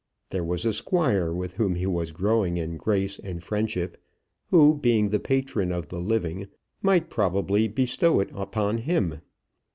There was a squire with whom he was growing in grace and friendship, who, being the patron of the living, might probably bestow it upon him.